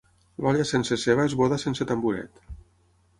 L'olla sense ceba és boda sense tamboret.